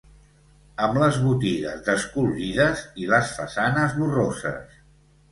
Amb les botigues descolorides i les façanes borroses